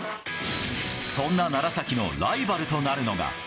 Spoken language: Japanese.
そんな楢崎のライバルとなるのが。